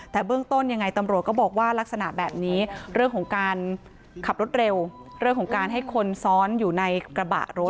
แต่เบื้องต้นยังไงตำรวจก็บอกว่าลักษณะแบบนี้เรื่องของการขับรถเร็วเรื่องของการให้คนซ้อนอยู่ในกระบะรถ